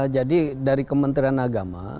jadi dari kementerian agama